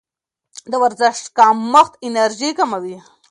د ورزش کمښت انرژي کموي.